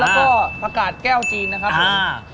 แล้วก็ผักกาดแก้วจีนนะครับผม